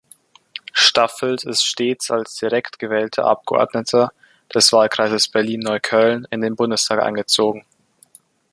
Staffelt ist stets als direkt gewählter Abgeordneter des Wahlkreises Berlin-Neukölln in den Bundestag eingezogen.